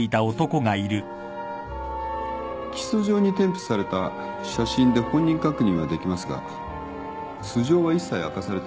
起訴状に添付された写真で本人確認はできますが素性は一切明かされてませんね。